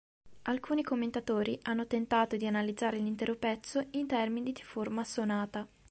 Alcuni commentatori hanno tentato di analizzare l'intero pezzo in termini di forma sonata.